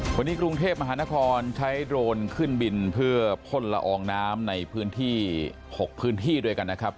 วันนี้กรุงเทพมหานครใช้โดรนขึ้นบินเพื่อพ่นละอองน้ำในพื้นที่๖พื้นที่ด้วยกันนะครับ